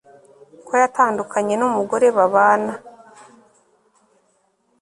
ko yatandukanye numugore babana